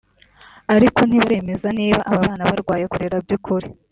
ariko ntibaremeza niba aba bana barwaye Cholera by’ukuri